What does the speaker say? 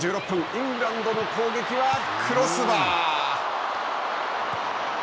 イングランドの攻撃はクロスバー。